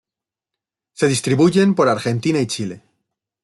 Se distribuyen por Argentina y Chile.